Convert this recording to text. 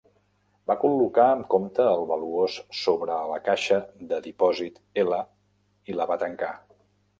Va col·locar amb compte el valuós sobre a la caixa de dipòsit L i la va tancar.